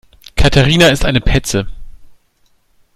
Katharina ist eine Petze.